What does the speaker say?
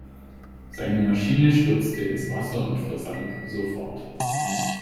Seine Maschine stürzte ins Wasser und versank sofort.